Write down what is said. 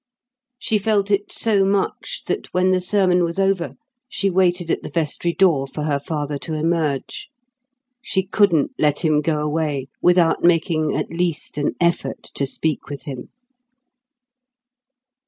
She felt it so much that when the sermon was over she waited at the vestry door for her father to emerge. She couldn't let him go away without making at least an effort to speak with him.